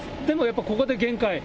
でもやっぱりここで限界？